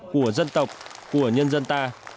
của dân tộc của nhân dân ta